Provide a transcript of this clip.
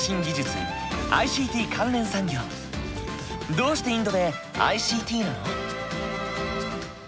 どうしてインドでＩＣＴなの？